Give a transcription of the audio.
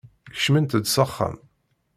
Kecmemt-d s axxam.